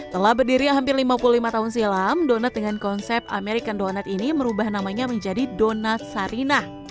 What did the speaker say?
telah berdiri hampir lima puluh lima tahun silam donat dengan konsep american donat ini merubah namanya menjadi donat sarinah